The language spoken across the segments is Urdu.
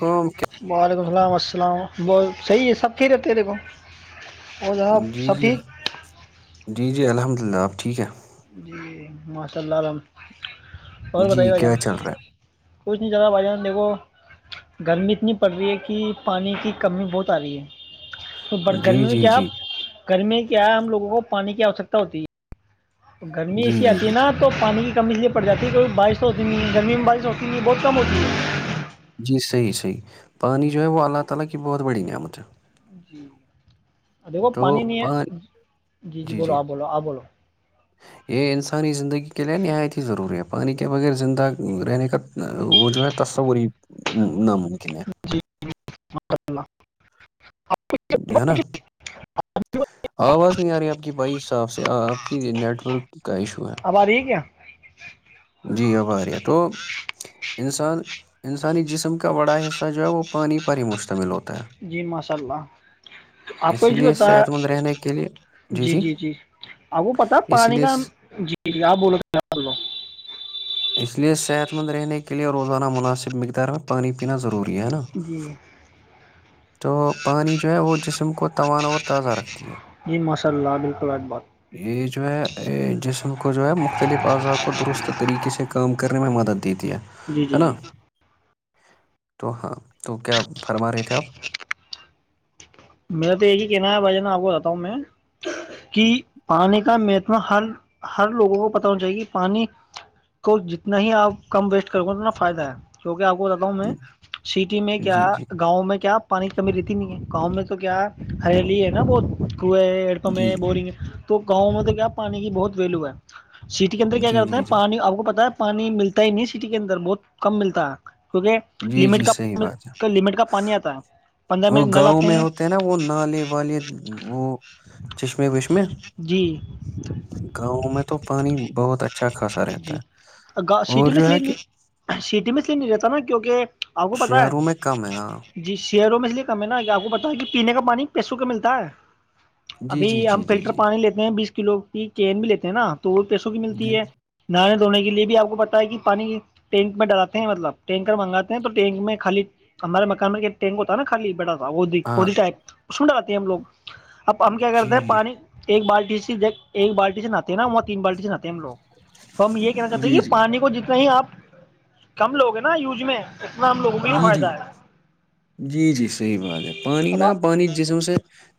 کام وعلیکم السلام اللام بہت صحیح ہے سب پ رہتے ہیں دیکھو اور جناب جی سب جی ٹھیک جی جی الحمد جنا آب ٹھیک ہے جی ماشاء اللہ عالم جی کیا چل رہا ہے؟ کچھ نہیں چ رہا بھائی جان دیکھو گرمی اتنی پڑ رہی ہے کہ پانی کی کمی بہت آ رہی ہے تو ب ہے جی گرمی میں جی جی کیاپ گرمی کیا کیا ہم لگوں کو پانی کی آوشکتا ہوتی ہے تو گرمی جی ایسی جی آتی ہے جی نا تو پانی کم اس لیے پڑ جاتی ہے کیھی بارش تو ہوتی نہیں گرمی میں بارش ہوتی نہیں بہت کم ہوتی ہے [unintelligible] جی تو پ جی بولو جی آپ بولو آپ بولو یہ انسانی زندگی کے لیے نہایت ہی ضروری ہے پانی کے بغیر زندہ رہنے کا وہ جو ہے تصوری ناممکن ہے مم ال اللہ ہے نا آواز نہیں آ رہی ہے آپ کی بائی حس آف سے آپ کی نیٹ ورک کا ایشو اب آ رہی ہے کیا جی ہ ب ہے تو انسان انسانی جسم کا بڑا حصہ جو ہے وہ پانی پر ہی مشتمل ہوتا ہے جی ماشاء اللہ تو آپ کو اسی ایشو لیے بتا ہے صحت مند رہنے کے لیے جی جی جی آپ کو پتا اسی پانی لیے کا جی جی آپ بولولہ اس لئے صحت مند رہنے کے لئے روزانہ مناسب مقدار میں پانی پینا ضروری ہے ضروری ہے ہے نا جی تو پانی جو ہے وہ جسم کو توانا اور تازہ رکھتا ہے یا جی ماشاء اللہ بالکل آج بات یہ جو ہے جسم کو کو جو ہے مختلف اعضا کو درست طریقے سے کام کرنے میں مدد دیتی ہے جی ہے جی جی نا تو ہاں تو کیا فرما رہے تھے آپ میرا تو یہی کہنا ہے بھائی جان آپ کو بتا ہوں میں کہ پانی کا مہتم ہر ہر لوگوں کو پتا ہونا چاہیے کہ پانی کو جتنا ہی آپ کم ویسٹ کر گے اتنا فائدہ ہے کیکہ آپ کو بتاؤں میں سٹی میں کیا جی جی گاؤں میں کیا پانی کمی رہتی نہیں ہے گاؤں میں تو کیا ہرییالی ہے نا بہت بہت کو ڑپم جی بورن تو گاؤں میں تو کیا پانی کی بہت ویلو ہے سٹی کے اندر کیا جی کرتے ہیں جی جی پانی آپ کو پتا ہے پانی ملتا ہی نہیں سٹی کے اندر بہت کم ملتا ہے کیونکہ جی لٹ جی صحیح بات ہے کا لمٹ کا پانی آتا ہے پندرہ منٹ وہ نہ گاؤں لاتے میں ہیں ہوتے نا وہ نالے والے وہ چشمے وشمے جی گاؤں میں تو پانی بہت اچھا خاصا رہتا جی ہے سٹی اور میں اس جو ہے لیے کہ سٹی میں اس لیے نہیں رہتا نا کیونکہ آپ کو پتا شہروں میں کم ہاں ہے جی شیروں میں اس لی کم ن کیا آپ کو کہ پینے کا پانی پیسوں کے ملتا ہے جی ابھی جی جی ہم جی فلٹر جی پانی لیتے ہیں بیس ک لوگ کی چین بھی لیتے ہیں نا وہ پیسوں کی ملتی جی ہے نار تو ہونے کے لیے بھی آپ کو پتا ہے کہ پانی ٹینک میں ڈراتے ہیں مطلب ٹینکر منگاتے ہیں تو ٹینک میں خالی ہمارے مکان میں ٹینک ہوتا نا خالی بڑا تھا وہ ہاں وہی ائپ سنڈ آے ہیں ہم لوگ اب ہم کیا کرتے جی ہیں پانی ایک بالٹی ایک بالٹی سے نہاتے ہیں نا وہ تین بالٹی سے نہے ہیں ہم لوگ تو ہم یہ کہنا چاہتے ہیں جی جی کہ پانی کو جتنا نہیں آپ کم لوگ ہیں نا یوج میں اتنا ہم لوگوں کو ہی جی جی فائدہ ہے جی جی صحیح بات ہے پانی اب پنا آپ پانی جسم سے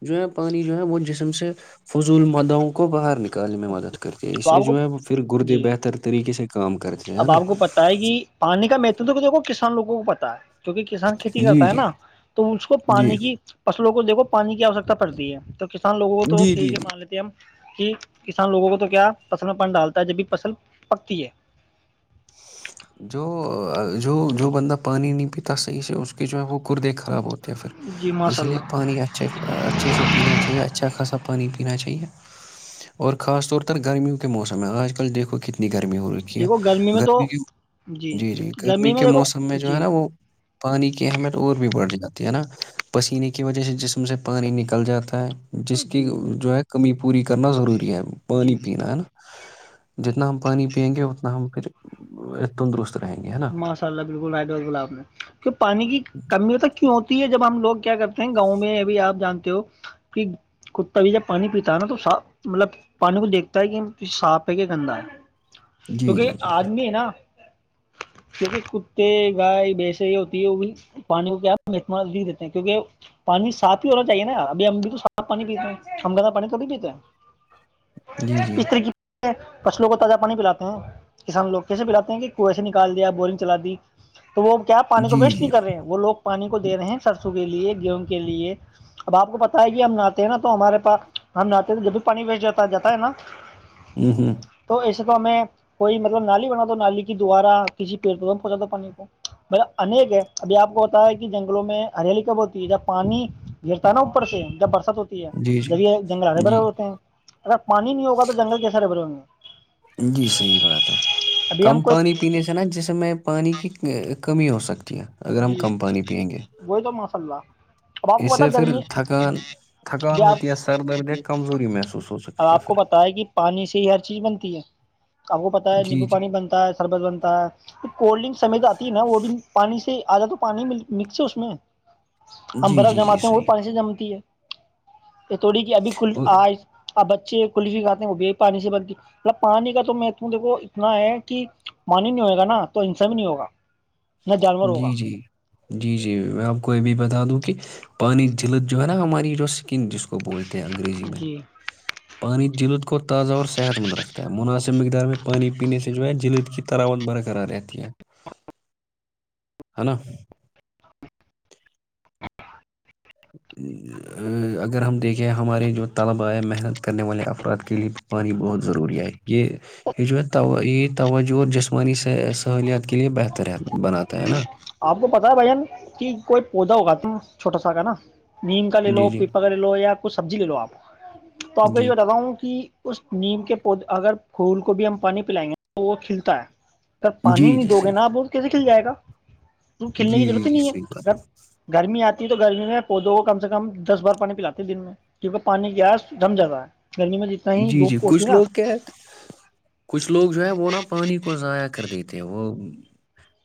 جو ہے پانی جو ہے وہ جسم سے فضول ماداوں کو باہر نک کال میں مدد کرتی ہے اسے آپ کو جو ہے وہ پھر گردے جی بہتر طریقے سے کام کرتے ہیں ہے اب نا آپ کو پتا ہے کہ پانی کا م تم تو دیکھو کسان لگوں کو پتا ہے جوکہ کسان کھیتی جی کرتا ہے جی نا تو اس کو جی پانی کی پ کو دیکو پانی کی آشکتا پڑتی ہے تو کسان لوگوں کو تو جی ھ جی ہے مان لیتے ہیں ہم کہ کسان لوگوں کو تو کیا فصل میں پن ڈالتا ہے جب بھی فصل پکتی ہے جو جو جو بندہ پانی نہیں پیتا صحیح سے اس کی جو ہے وہ کردے خراب ہوتے پھر جی ماشاء اس لیے اللہ پانی اچھے اچھے سے پینا چاہیے اچھا خاصا پانی نا چاہیے اور خاص طور پر گرمیوں کے موسم میں آج کل دیکھو کتنی گرمی ہو کینہ دیکھو میں تو گرمی کے جی جی گرمی میں کے دیکھو موسم میں جو ہے جی نا وہ پانی کی اہمیت اور بھی بڑھ جاتی ہے نا پسینے کی وجہ سے جسم سے پانی نکل جاتا ہے جس کی جی جو ہے کمی پوری کرنا ضروری ہے جی پانی پین ہے نا جتنا ہم پانی پیئیں گے اتنا ہم پھر تندرست رہیں گے ہے نا ماشاء اللہ بالکل نائڈ گلاب نے کی پانی کی کمی ت کیوں ہوتی یہ جب ہم لوگ کیا کرتے ہیں گاؤں میں اب بھی آپ جانتے ہو کہ کتا بھی جب پانی پیتا ہے نا تو صاف مطلب پانی کو دیکھتا ہے کہ صاف ہے کہ گندا ہے جی جی کیونکہ جی آدمی ہے نا کیونکہ کتے گائے بیسے یہ ہوتی ہے وہ بھی پانی کو کیا ہے متم دیتے ہیں کیونکہ پانی صاف ہی ہونا چاہیے نا ابھی ہم بھی تو صاف پانی پیتے ہیں ہم گہ پانی کبھی پیتے ہیں جی جی اس طرح کی فصلوں کو تازہ پانی پلاتے ہیں کسان لوگ کیسے پلاتے ہیں کہ کنویں سے نکل کال دیا بورنگ چل دی تو وہ کیا پانی کو جی ویسٹ جی نہیں کر رہے وہ لگ پانی کو دے رہے ہیں سرسوں لیے گیہوں کے لیے اب آپ کو پتا ہے کہ ہم نہتے ہیں نا تو ہمارے پاس ہم نہے تو جب بھی پانی وٹ جاتا ہے نا ہوں ہوں تو ایسے تو ہمیں کوئی مطلب نالی بنا دو نالی کی دوارا کسی پڑ پہنچاتا پانی کو مطیک ہے ابھی آپ کو پتا ہے کہ جنگلوں میں ہریالی کب ہوتی ہے جب پانی گرتا ہے نا اوپر سے جب بر ہوتی ہے جی جی جب یہ جنگل ہرے بھرے جی ہوے ہوتے ہیں اگر پانی نہیں ہوگا تو جنگل کیسے ہرے بھرے ہووں گے جی صحیح بات ہے ابھی ہم کم کو پانی پینے سے نا جس مے پانی کی کمی ہو سکتی ہے اگر ہم جی کم پانی پیئیں گے وہی تو ماشاء اللہ اب آپ اس کو پتا سے گرمی پھر تھکان ج تھکان آپ ہوتی ہے سر درد یا کمزوری محسوس ہو سکتی آپ کو پھر پتا ہے کہ پانی سے ہی ہر چیز بن تی ہے آپ کو پتا ہے جی نیبو جی پانی بنتا ہے سربت بنتا ہے کولڈ ڈرنک سمج آتی ہے نا وہ بھی پانی آدا تو پانی مکس ہے اس میں ہم جی برف جی جی جماتے ہیں وہ صحیح پانی سے جمتی ہے یہ تھوڑی کہ ابھی کل اور آ اب بچے کلفی کھاتے ہیں وہ ب پانی سے بنتی مطلب پانی کا تو میں دیکھو اتنا ہے کہ پانی نہیں ہوئے گا نا تو ہنسا بھی نہیں ہوگا نہ جانور ہوگا جی جی جی جی میں آپ کو یہ بھی بتا دوں کہ پانی جلد جو ہے نا ہماری جو سکن جس کو بولتے ہیں انگریزی میں جی پانی تو جلت کو تازہ اور صحت مند رکھتا ہے مناسب مقدار میں پانی پینے سے جو ہے جلد کی تراوت برقرار رہتی ہے ہے نا اگر ہم دیکھیں ہمارے جو طلبہ آئے محنت کرنے والے افراد کے لیے تو پانی بہت ضروری آئے یہ یہ جو میں ت عید توجہ اور جسمانی سہولیات کے لئے بہتر ہے بناتا ہے ج نا آپ کو پتا ہے بھن کہ کوئی ادا ہوگا تم چھوٹا سا ہوگا نا نیم کر ل جی لو جی پیپ ک لو یا [unintelligible] کچ سبزی لے لو آپ تو آپ کو جی یہ بتات ہوں کہ اس نیم کے پودے اگر پھول کو بھی ہم پانی پلائیں گے تو وہ کھلتا ہے س جی پانی نہیں جی دو گے صحیح نا اب [unintelligible] نکل جائے گا کھلنے جی کی جی ضرورت ہی جی نہیں صحیح بات ہے ا گرمی آتی تو گرمی میں پودوں کو کم سے کم دس بار پانی پلاتی ہے دن میں کیونکہ پانی گس دم جیادہ ہے گرمی میں جتنا ہی جی جی دھوپ ہوتی کچھ نا لوگ کیا ہے کچھ لوگ جو ہے وہ نا پانی کو ضائع کر دیتے ہیں وہ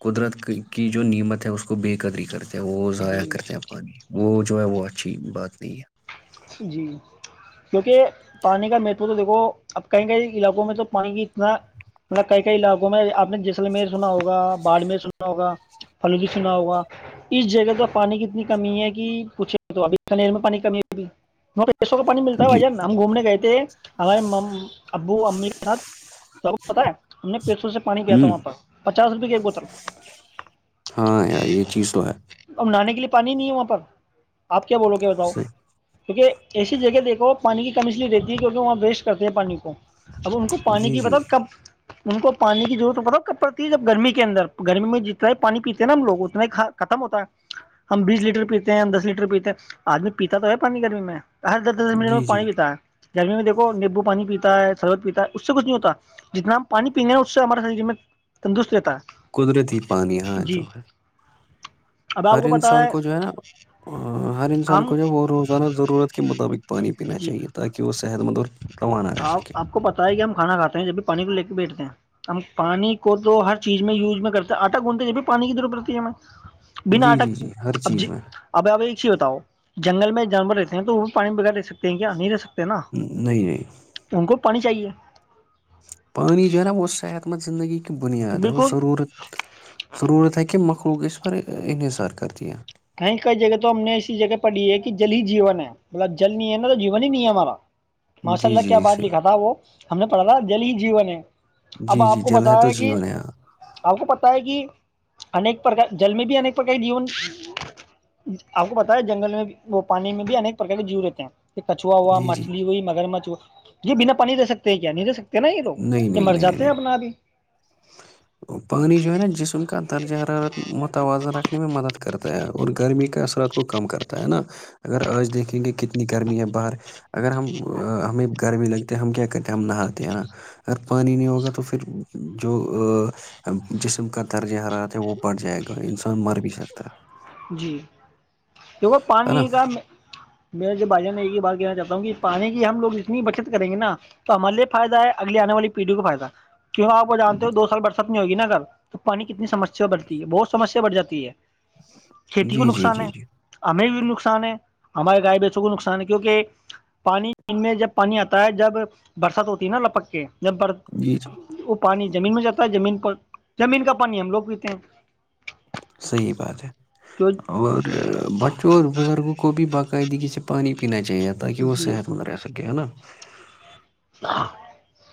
قدرت کی جو نیمت ہے اس کو بے قدری کرتے [unintelligible] وہ ضاع جی کرتے ہیں پانی وہ جو ہے وہ اچھی بات نہیں ہے جی کیونکہ پانی کا مہتو تو د وہ اب کئی کئی علاقوں میں تو پانی کی اتنا مطلب کئی کئی علاقوں میں آپ نے جیسلمیر سنا ہوگا باڑمیر سنا ہوگا فلوی سنا ہوگا اس جگہ سے پانی کی اتنی کمی ہے کہ پوچے تو ابیر میں پانی کمی بھی [unintelligible] ہم پیسو کا پانی ملتا ہے بھ جان ہم گھومنے گئے تھے ہمارے ابو امی کے ساتھ بتا ہم نے پیسو سے پانی پیا تھا ہوں وہاں پر پچاس روپے کی ایک بوتل ہاں یار یہ چیز تو ہے ا نہانے کے لیے پانی نیموں پر آپ کو کیا بولو گ بتاؤ صحیح۔ کیونکہ ایسی جگہ دیکو پانی کی کم اچلی رہتی ہے کیونکہ وہاں ویسٹ کرتے ہیں پانی کو اب ان کو پانی جی کی جی مطب کب ان کو پانی کیضرورت پڑ کب پڑتی ہے جب گرمی کے اندر گرمی میں جتنا ہی پانی پیتے ہیں نا ہم لوگ اتنا ختم ہوتا ہے ہم بیس لیٹر پیتے ہیں ہم دس لیٹر پیتے ہیں آدمی پیتا تو ہے پانی کرمی میں ارھ دس دس منٹ میں جی جی پانی پیتا ہے گرمی میں دیکو نیبو پانی پیتا ہے سربت پیتا ہے اس سے کچھ نہیں ہوتا جتنا ہم پانی پینے ہیں اس سے ہمارے شریر میں تندرست رہتا ہے قدرتی ہی پانی یہاں جی جو ہے اب آپ ہر پتہ انسان کو جو ہے نا ہر انسان ہم کو جو ہے وہ روز انہ ضرورت کے مطابق پانی پینا جی چاہیے تاکہ وہ صحت مند اور روانہ رہ سکے انی کو لے کے بیٹھتے ہیں ہم پانی کو تو ہر چیز میں یوز میں کرتے آٹا گندتے یہب بھی پانی کی ضرورت پڑتی ہے ہمیں بنا جی آٹا جی جی ہر اب جی چیز میں اب آے ہی بتاؤ جنگل میں جو جانور رہتے ہیں تو وہ بھی پانی بغیر رہ سکتے کیا نہیں رہ سکتے نا نہیں نہیں ان کو پانی چاہیے پانی جو ہے نا وہ صحت مند زندگی بنیاد ہے اور بالکل ضرورت ضرورت ہے کہ مخو لوگ اس پر انحصار کرتی ہیں کہیں کئی جگہ تو ہم نے اسسی جگہ پر لی ہے کہ جل ہی جیون ہے مطلب جل نہیں ہے نا تو جیون ہی نہیں ہے ہمارا ماشاء جی اللہ کیا جی بات صحیح لکھا تھا وہ ہم نے پڑھا تھا جل ہی جین ہے اب جی جی آپ کو جل پت تو ہے کہ جیون ہاں آپ کو پت ہے کہ ایک پرک جلمی بھی ایک پرک جیون آپ کو پتا ہے جنگل میں وہ پانی میں بھی انیک پرک کے جیو رہتے ہیں کہ کچوا ہوا جی جی مچھلی ہوئی مگر مچ یہ بنا پانی دے سکتے ہے کیا نہیں دے سکتے ن یہ تو نہیں یہ نہیں مر نہیں جاتے ہیں نہیں اپنا آدھی پانی جو ہے نا جسم درجہ حرارت مت توازن رکھنے میں مدد کرتا ہے اور گرمی کے اثرات کو کم کرتا ہے نا اگر آج دیکھیں گے کتنی گرمی ہے باہر اگر ہم ہمیں گرمی لگتی ہم کیا کرتے ہیں ہم نہاتے ہیں نا اگر پانی نہیں ہوگا تو پھر تو جو جسم کا درجہ حرات ہے وہ پڑ جائے گا انسان مر بھی سکتا ہے جی کیونکہ ہے پانی نا نہیں کا میرے جو بھائی جان نے ایک ہی بار کہنا چاہ دوں گی پانی کی ہم لگتنی بچت کریں گے نا تو ہمارے لیے فائدہ ہے اگلی آنے والی پیڑھی کو فائدہ کیوں آپ وہ جانتے ہو دو سال برسہ ہوگی نا اگر تو پانی کتنی سمسیا بڑتی ہے بہت سمسیا بڑ جاتی ہے کھیتی کو جی جی نقصان جی ہے جی ہمیں بھی نقصان ہے ہمارے گائے بیچوں کو نقصان ہے کیونکہ پانی میں جب پانی آتا ہے جب برسات ہوتی ہے نا لپک کے جن پر جی جی وہ پانی زمین میں جاتا ہے زمین پر زمین کا پانی ہم لوگ پیتے ہیں صحیح بات ہے جو اور بچوں اور بزرگوں کو بھی باقی د سے پانی پین چاہیے تاکہ وہ جی صحت مند رہ سکے ہے نا [inaudible]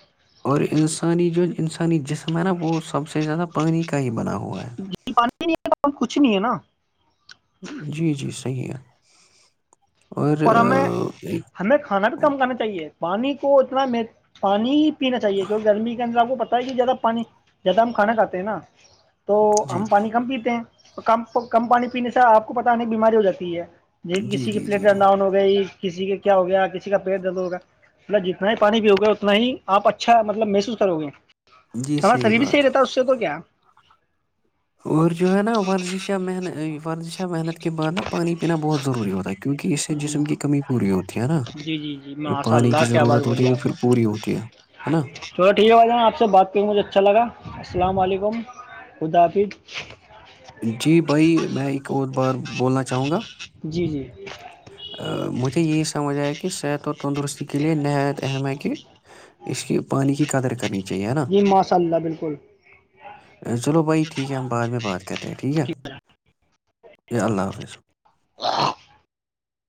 اور انسانی جو انسانی جسم ہے نا وہ سب سے زیادہ پانی کا ہی بنا ہوا ہے جی پانی نہیں ہے تو کچھ نہیں ہے نا جی جی صحیح ہے اور ہمیں اہ، ایک ہمیں کھانا بھی کم کرنا چاہیے پانی کو اتنا اور پین چاہیے کی گرمی کے اندرپ کو پتا کہ زیادہ پانی زیادہ ہم کھانا کھے ہیں نا تو جی ہم پانی کم پیتے ہیں کم کم پانی پینے سے آپ کو پت نہیں بیماری ہو جاتی ہے یہ جی کسی کی جی پلیٹ جی جی گنااؤن ہو گئی کسی کے کیا ہو گیا کسی کا پیٹ درد ہوگا مطلب جتنا ہی پانی بھی ہوگا اتنا ہی آپ اچھا مطلب محسوس کرو گے جی ہمارا تھری بھی صحیح بات رہتا اس سے تو کیا؟ اور جو ہے نا ورزش محنت ورزش محنت کے بعد نا پانی پینا بہت ضروری ہوتا ہے کیونکہ اس سے جسم کی کمی پوری ہوتی ہے نا جی جی جی جی میں جو آشا پانی کی اللہ کیا آواز ضرورت ہوتی بولی ہے وہ آپ پھر نے پوری ہوتی ہے ہے نا چو ٹھیک ہے جانا آپ سے بات کر مجھے اچھا لگا السلام علیکم خدافظ جی بھائی میں ایک کو بار بولنا چاہوں گا جی جی مجھے یہی سمجھ آیا کہ صحت اور تندرستی کے لیے نہایت اہم ہے کہ اس کی پانی کی قدر کرنی چاہے نا جی ماشاء اللہ بالکل چلو بھائی ٹھیک ہے ہم بعد میں بات کرتے ہیں ٹھیک ہے اللہ حافظ [inaudible]